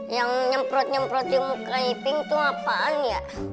yang nyemprot nyemprot di muka iping tuh apaan ya